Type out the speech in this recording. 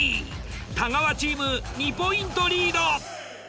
太川チーム２ポイントリード。